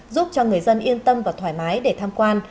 giúp cho người dân yên tâm và thoải mái để tham quan